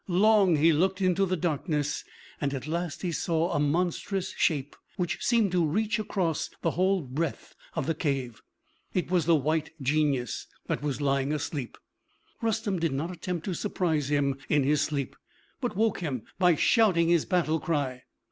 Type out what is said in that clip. Long he looked into the darkness, and at last he saw a monstrous shape, which seemed to reach across the whole breadth of the cave. It was the White Genius that was lying asleep. Rustem did not attempt to surprise him in his sleep, but woke him by shouting his battle cry.